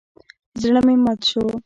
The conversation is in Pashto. زړه مې مات شو.